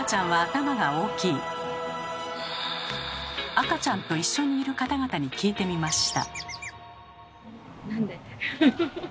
赤ちゃんと一緒にいる方々に聞いてみました。